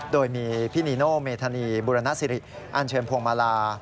โดยมีพี่นิโนเมธานีบุรณสิริอัญชมพงภรา